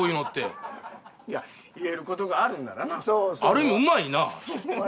ある意味うまいな。